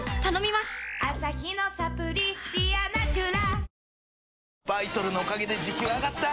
アサヒのサプリ「ディアナチュラ」